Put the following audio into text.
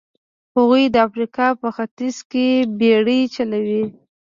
هغوی د افریقا په ختیځ کې بېړۍ چلولې.